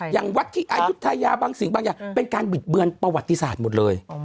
อย่างวัดที่อายุทยาบางสิ่งบางอย่างเป็นการบิดเบือนประวัติศาสตร์หมดเลย